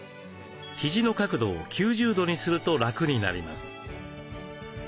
肘の角度を９０度にすると楽になります。